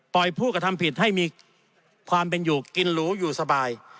ผู้กระทำผิดให้มีความเป็นอยู่กินหรูอยู่สบาย